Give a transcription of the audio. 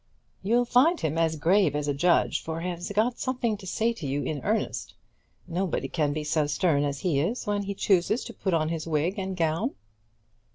"You'll find him as grave as a judge, for he has got something to say to you in earnest. Nobody can be so stern as he is when he chooses to put on his wig and gown."